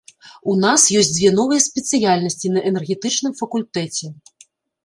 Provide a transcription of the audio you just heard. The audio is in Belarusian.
У нас ёсць дзве новыя спецыяльнасці на энергетычным факультэце.